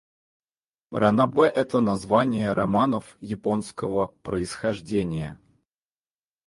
Ранобэ — это название романов японского происхождения.